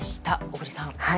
小栗さん。